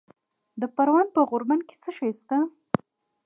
د پروان په غوربند کې څه شی شته؟